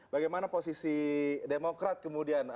bagaimana posisi demokrat kemudian